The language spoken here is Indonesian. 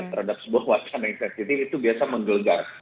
terhadap sebuah wacana yang sensitif itu biasa menggelegar